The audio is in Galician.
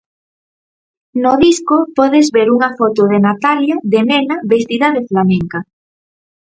No disco podes ver unha foto de Natalia de nena vestida de flamenca.